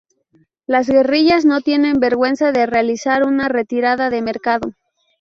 Las guerrillas no tienen vergüenza de realizar una retirada de mercado.